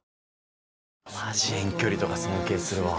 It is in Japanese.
まじ遠距離とか尊敬するわ。